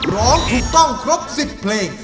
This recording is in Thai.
ร้องถูกต้องครบ๑๐เพลง